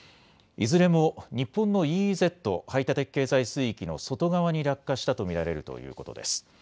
いずれも日本のＥＥＺ・排他的経済水域の外側に落下したと見られるということです。